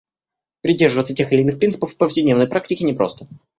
Придерживаться тех или иных принципов в повседневной практике непросто.